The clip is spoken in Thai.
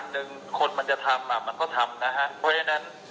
อีกนั้นคือเฉพาะลงโทษที่หนักที่สุดแล้ว